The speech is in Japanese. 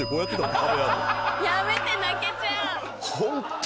やめて泣けちゃう。